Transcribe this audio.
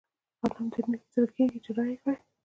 قلم دې نه زړه کېږي چې رايې کړئ.